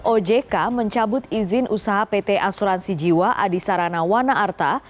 ojk mencabut izin usaha pt asuransi jiwa adisarana wanaarta